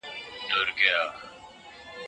د لويي جرګې له پاره بلنلیکونه څوک وېشي؟